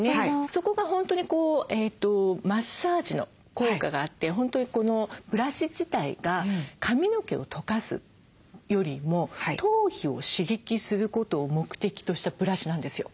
そこが本当にマッサージの効果があって本当にこのブラシ自体が髪の毛をとかすよりも頭皮を刺激することを目的としたブラシなんですよ。